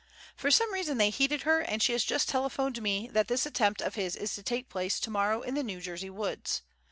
For some reason they heeded her, and she has just telephoned me that this attempt of his is to take place tomorrow in the New Jersey woods.